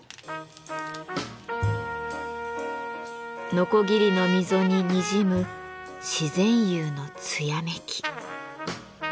のこぎりの溝ににじむ自然釉の艶めき。